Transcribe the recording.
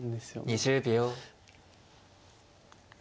２０秒。